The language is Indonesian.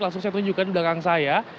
langsung saya tunjukkan di belakang saya